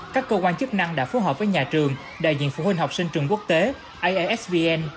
các cơ quan chức năng đã phối hợp với nhà trường đại diện phụ huynh học sinh trường quốc tế aisvn